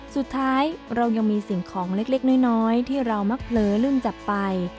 สุดท้ายเรายังมีสิ่งของเล็กน้อยที่เรามักเผลอลืมจับไป